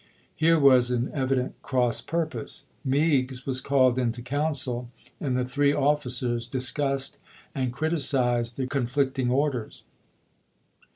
Here was an evident cross purpose. Meigs was called into council, and the three officers discussed and criti cized the conflicting orders.